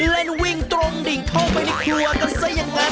เล่นวิ่งตรงดิ่งเข้าไปในครัวกันซะอย่างนั้น